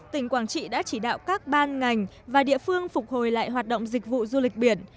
tỉnh quảng trị đã chỉ đạo các ban ngành và địa phương phục hồi lại hoạt động dịch vụ du lịch biển